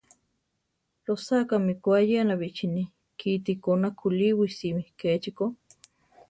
Rosakámi ko ayena bichíni kiti ko nakúliwisimi; kechi ko.